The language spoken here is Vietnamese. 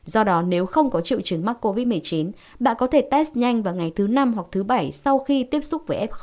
do đó nếu không có triệu chứng mắc covid một mươi chín bạn có thể test nhanh vào ngày thứ năm hoặc thứ bảy sau khi tiếp xúc với f một